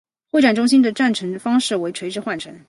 会展中心站的换乘方式为垂直换乘。